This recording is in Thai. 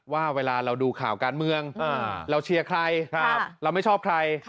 ว่าเวลาเราดูข่าวการเมืองเราเชียร์ใครเราไม่ชอบใคร